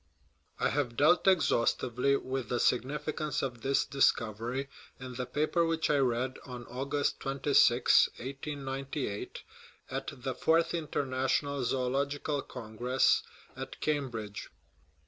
I have dealt exhaustively with the significance of this dis covery in the paper which I read on August 26, 1898, at the Fourth International Zoological Congress at Cambridge.